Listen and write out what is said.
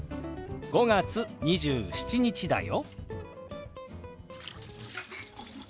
「５月２７日だよ」。